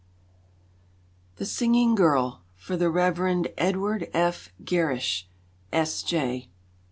The Singing Girl (For the Rev. Edward F. Garesche, S. J.)